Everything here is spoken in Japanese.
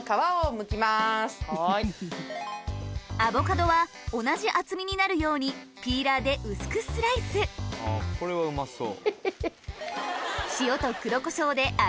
アボカドは同じ厚みになるようにピーラーで薄くスライスこれはうまそう。